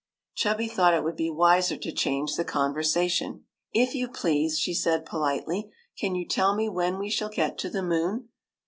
Chubby thought it would be wiser to change the conversation. " If you please," she said politely, '' can you tell me when we shall get to the moon?